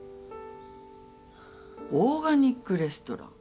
オーガニックレストラン？